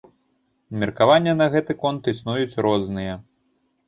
Меркаванні на гэты конт існуюць розныя.